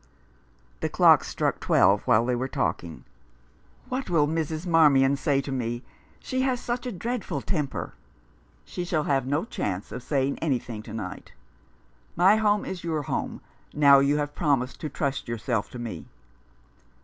The clocks struck twelve while they were talking. " What will Mrs. Marmian say to me ? She has such a dreadful temper !"" She shall have no chance of saying anything to night. My home is your home now you have promised to trust yourself to me."